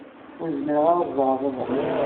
Ur zmireɣ ara ad ẓreɣ baba.